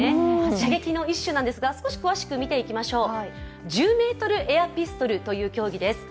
射撃の一種なんですが、少し詳しく見ていきましょう。